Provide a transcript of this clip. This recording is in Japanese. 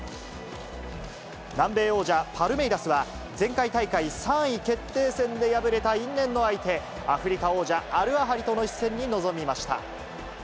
南米王者、パルメイラスは前回大会３位決定戦で破れた因縁の相手、アフリカ王者、アルアハリとの一戦に臨みました。